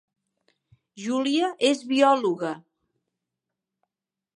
Júlia és biòloga